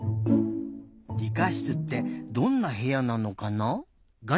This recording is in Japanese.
りかしつってどんなへやなのかな？